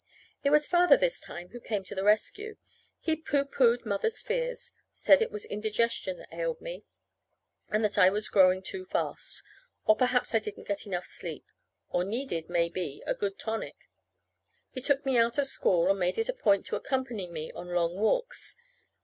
It was Father this time who came to the rescue. He pooh poohed Mother's fears; said it was indigestion that ailed me, or that I was growing too fast; or perhaps I didn't get enough sleep, or needed, maybe, a good tonic. He took me out of school, and made it a point to accompany me on long walks.